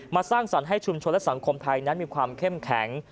สร้างสรรค์ให้ชุมชนและสังคมไทยนั้นมีความเข้มแข็ง